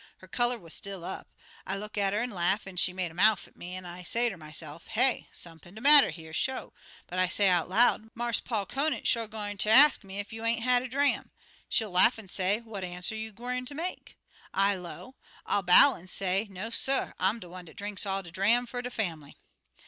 Her color wuz still up. I look at 'er an' laugh, an' she made a mouf at me, an' I say ter myse'f, 'Hey! sump'n de matter here, sho,' but I say out loud, 'Marse Paul Conant sho gwine ter ax me ef you ain't had a dram.' She laugh an' say, 'What answer you gwine ter make?' I low, 'I'll bow an' say, "No, suh; I'm de one dat drinks all de dram fer de fambly."'